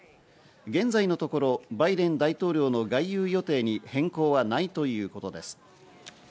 現在のところバイデン大統領の外遊予定に変更はないということです。